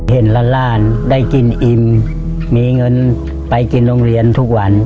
เห็นหลานได้กินอิ่มมีเงินไปกินโรงเรียนทุกวัน